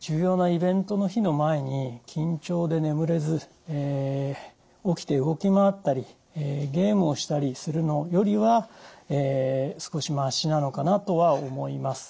重要なイベントの日の前に緊張で眠れず起きて動き回ったりゲームをしたりするのよりは少しましなのかなとは思います。